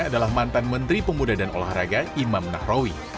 adalah mantan menteri pemuda dan olahraga imam nahrawi